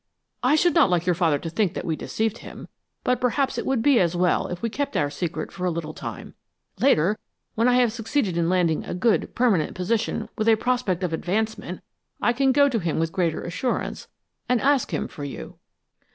"I should not like your father to think that we deceived him, but perhaps it would be as well if we kept our secret for a little time. Later, when I have succeeded in landing a good, permanent position with a prospect of advancement, I can go to him with greater assurance, and ask him for you."